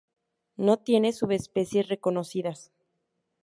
No tiene subespecies reconocidas.